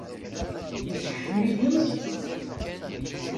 Yeskcem-ikem?